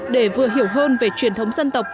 để vừa hiểu hơn về truyền thống dân tộc